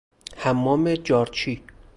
حمام جارچی